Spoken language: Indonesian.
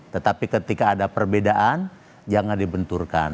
tetapi ketika ada perbedaan jangan dibenturkan